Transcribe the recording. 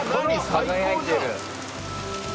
輝いてる。